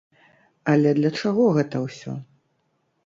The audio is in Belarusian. Але для чаго гэта ўсё?